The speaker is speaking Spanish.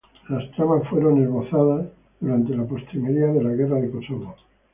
Las tramas fueron esbozadas durante las postrimerías de la Guerra de Kosovo.